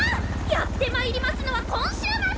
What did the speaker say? やってまいりますのは今週末！